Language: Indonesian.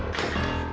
terima kasih dok